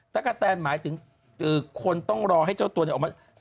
ลักษัตริย์หมายถึงควรต้องรอให้เจ้าตัวนี้ออกมา